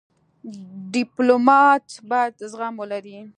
ډيپلومات باید زغم ولري.